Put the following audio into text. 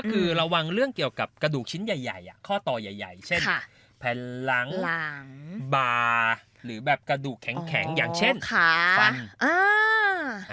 คือระวังเรื่องเกี่ยวกับกระดูกชิ้นใหญ่ข้อต่อใหญ่เช่นแผ่นหลังบาหรือแบบกระดูกแข็งอย่างเช่นฟัน